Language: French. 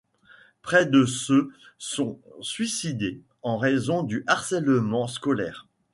Près de se sont suicidés en raison de harcèlement scolaire.